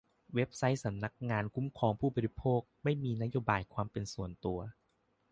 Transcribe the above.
เว็บไซต์สำนักงานคุ้มครองผู้บริโภค ไม่มีนโยบายความเป็นส่วนตัว